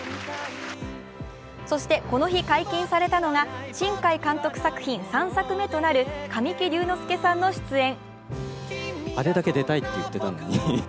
そして、この日解禁されたのが新海監督作品３作目となる神木隆之介さんの出演。